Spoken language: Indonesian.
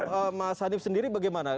mas hanif sendiri bagaimana